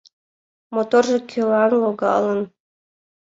Моторжо кӧлан логалын?..